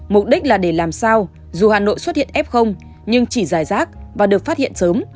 mục đích là để làm sao dù hà nội xuất hiện f nhưng chỉ dài rác và được phát hiện sớm